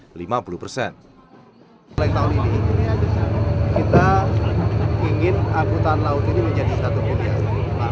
kita ingin angkutan laut ini menjadi satu dunia